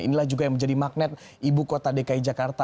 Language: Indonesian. inilah juga yang menjadi magnet ibu kota dki jakarta